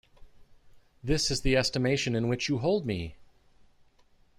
This is the estimation in which you hold me!